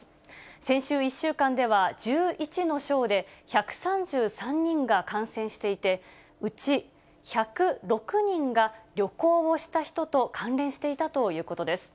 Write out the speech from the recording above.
先週１週間では、１１の省で１３３人が感染していて、うち１０６人が旅行をした人と関連していたということです。